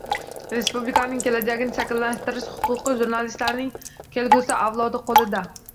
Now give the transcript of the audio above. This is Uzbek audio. Respublikaning kelajagini shakllantirish huquqi jurnalistlarning kelgusi avlodi qo‘lida».